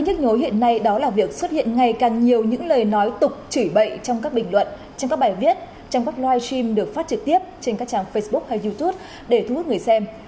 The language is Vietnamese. một tự trạng gây nhớ hiện nay đó là việc xuất hiện ngày càng nhiều những lời nói tục chỉ bậy trong các bình luận trong các bài viết trong các live stream được phát trực tiếp trên các trang facebook hay youtube để thu hút người xem